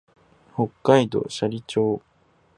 北海道斜里町